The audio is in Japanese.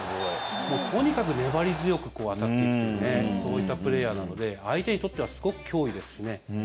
とにかく粘り強く当たっていくというそういったプレーヤーなので相手にとってはすごく脅威ですしね。